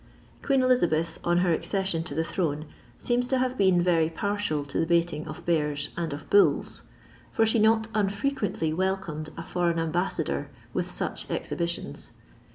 Queen Blisal^h, on her aocession to the throne, seems to havo been very partial to the baiting of bears and of bolls ; for ihe not unfrequently welcomed a foreign ambanador with such exhibitionB.